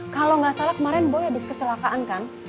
kalau nggak salah kemarin boy habis kecelakaan kan